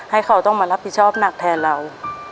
ให้เขาต้องมารับผิดชอบหนักแทนเรา